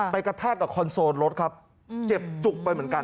กระแทกกับคอนโซลรถครับเจ็บจุกไปเหมือนกัน